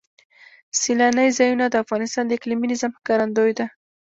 سیلانی ځایونه د افغانستان د اقلیمي نظام ښکارندوی ده.